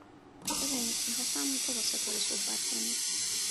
ببین، می خواستم تو با ستاره صحبت کنی